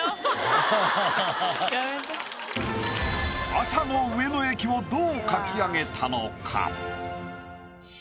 朝の上野駅をどう描き上げたのか？